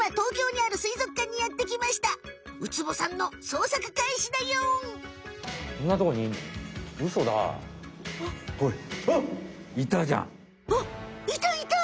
あっいたいた！